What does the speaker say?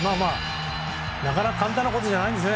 なかなか簡単なことじゃないんですね